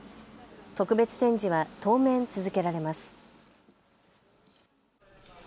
特別展示は当面続けられます。